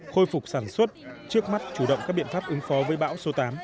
khôi phục sản xuất trước mắt chủ động các biện pháp ứng phó với bão số tám